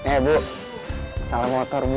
eh bu salah motor bu